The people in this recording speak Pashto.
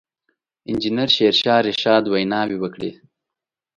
انجنیر شېرشاه رشاد ویناوې وکړې.